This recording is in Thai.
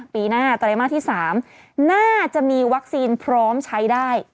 ปีหน้าไตรมาสที่๓น่าจะมีวัคซีนพร้อมใช้ได้